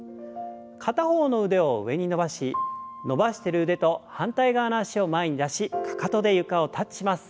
片方の腕を上に伸ばし伸ばしてる腕と反対側の脚を前に出しかかとで床をタッチします。